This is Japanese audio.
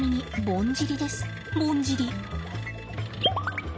ぼんじり。